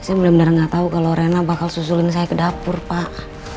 saya bener bener nggak tau kalau rena bakal susulin saya ke dapur pak